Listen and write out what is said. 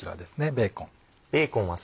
ベーコン。